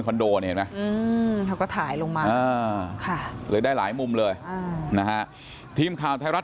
คอนโดเขาก็ถ่ายลงมาได้หลายมุมเลยนะฮะทีมข่าวไทยรัฐ